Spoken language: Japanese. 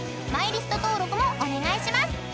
［マイリスト登録もお願いします。